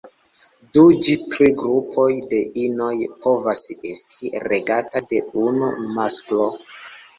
Du ĝi tri grupoj de inoj povas esti regata de unu masklo.